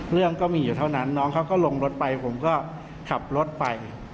เรื่องก็มีอยู่เท่านั้นน้องเขาก็ลงรถไปผมก็ขับรถไป